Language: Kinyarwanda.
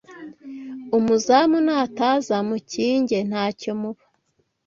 Umuzamu nataza mukinge ntacyo muba